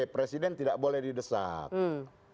presiden tidak boleh didesak